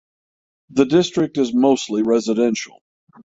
The district is mostly residential.